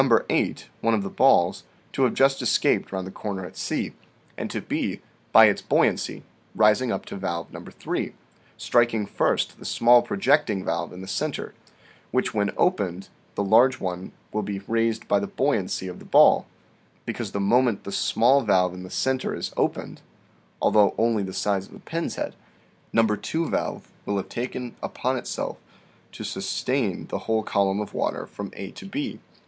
8 (one of the balls) to have just escaped round the corner at C, and to be, by its buoyancy, rising up to valve No. 3, striking first the small projecting valve in the center, which when opened, the large one will be 58 THE SEVEN FOLLIES OF SCIENCE raised by the buoyancy of the ball ; because the moment the small valve in the center is opened (although only the size of a pin's head), No. 2 valve will have taken upon it self to sustain the whole column of water from A to B.